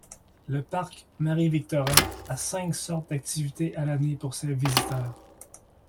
Le Parc Marie-Victorin a cinq sortes d'activités à l'année pour ses visiteurs.